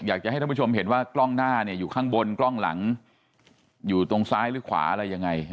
อยากจะให้ท่านผู้ชมเห็นว่ากล้องหน้าเนี่ยอยู่ข้างบนกล้องหลังอยู่ตรงซ้ายหรือขวาอะไรยังไง